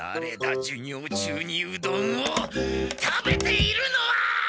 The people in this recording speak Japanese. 授業中にうどんを食べているのは！